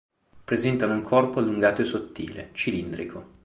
Presentano un corpo allungato e sottile, cilindrico.